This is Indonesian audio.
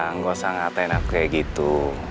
nggak usah ngatain aku kayak gitu